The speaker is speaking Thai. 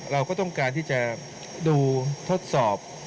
เราก็ต้องการที่จะดูทดสอบ